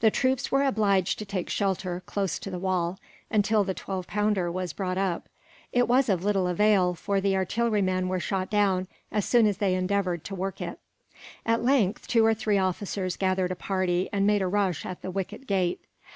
The troops were obliged to take shelter, close to the wall, until the twelve pounder was brought up. It was of little avail, for the artillerymen were shot down as soon as they endeavoured to work it. At length, two or three officers gathered a party, and made a rush at the wicket gate.